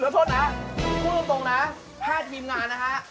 โทษนะคุณร่วมตรงนะ๕ทีมงานนะคะ